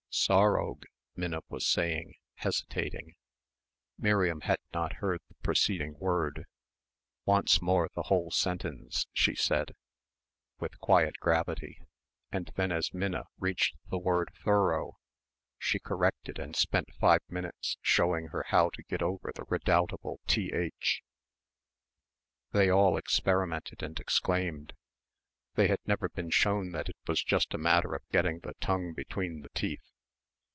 "Sorrowg," Minna was saying, hesitating. Miriam had not heard the preceding word. "Once more the whole sentence," she said, with quiet gravity, and then as Minna reached the word "thorough" she corrected and spent five minutes showing her how to get over the redoubtable "th." They all experimented and exclaimed. They had never been shown that it was just a matter of getting the tongue between the teeth.